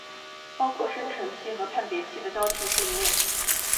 包括生成器和判别器的交替训练